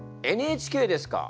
「ＮＨＫ」ですか。